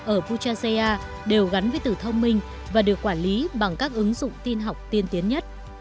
ở puchaseya đều gắn với từ thông minh và được quản lý bằng các ứng dụng tin học tiên tiến nhất